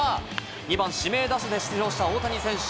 ２番・指名打者で出場した大谷選手。